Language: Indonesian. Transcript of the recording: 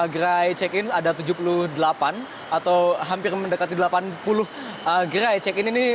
gerai check in ada tujuh puluh delapan atau hampir mendekati delapan puluh gerai check in ini